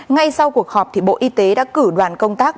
ngay sau cuộc họp bộ y tế đã cử đoàn công tác